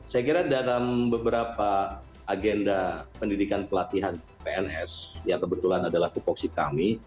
saya kira dalam beberapa agenda pendidikan pelatihan pns yang kebetulan adalah tupoksi kami